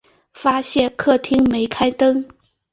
发现客厅没开灯